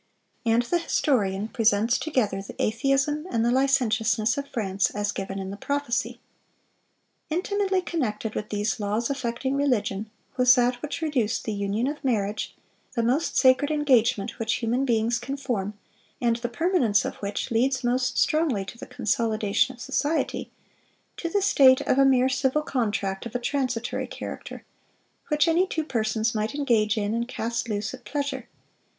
And the historian presents together the atheism and the licentiousness of France, as given in the prophecy: "Intimately connected with these laws affecting religion, was that which reduced the union of marriage—the most sacred engagement which human beings can form, and the permanence of which leads most strongly to the consolidation of society—to the state of a mere civil contract of a transitory character, which any two persons might engage in and cast loose at pleasure....